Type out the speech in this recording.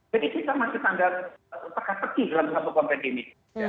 jadi kita masih tekan tekin dalam satu konteks ini